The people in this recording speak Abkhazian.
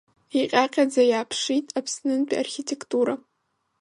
Иҟьаҟьаӡа иааԥшит Аԥснынтәи архитектура.